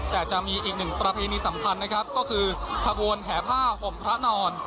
แต่จะมีอีกหนึ่งประเพณีสำคัญนะครับก็คือขบวนแห่ผ้าห่มพระนอน